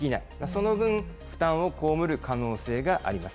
その分、負担を被る可能性があります。